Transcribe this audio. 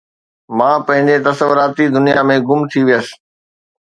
مان پنهنجي تصوراتي دنيا ۾ گم ٿي ويس